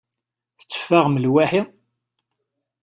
Tetteffaɣem lwaḥi?